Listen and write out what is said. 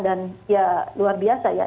dan ya luar biasa ya